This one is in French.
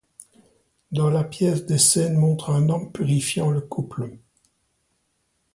Dans la pièce, des scènes montrent un homme purifiant le couple.